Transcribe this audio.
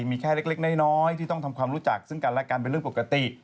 มีแค่เล็กน้อยที่ต้องทำความรู้จักซึ่งกันและกันเป็นเรื่องปกติ